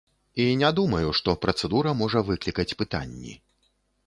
І не думаю, што працэдура можа выклікаць пытанні.